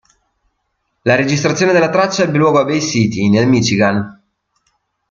La registrazione della traccia ebbe luogo a Bay City, nel Michigan.